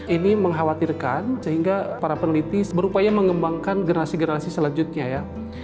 ini mengkhawatirkan sehingga para peneliti berupaya mengembangkan generasi generasi selanjutnya ya